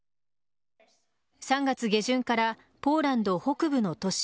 ３月下旬からポーランド北部の都市・